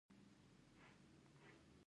هغوی په پاک هیلې کې پر بل باندې ژمن شول.